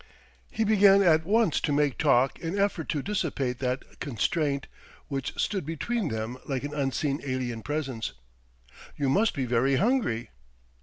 He began at once to make talk in effort to dissipate that constraint which stood between them like an unseen alien presence: "You must be very hungry?"